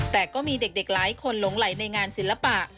แต่ก็มีเด็กหลายคนหลงไหลในงานศิลปะ